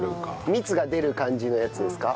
蜜が出る感じのやつですか？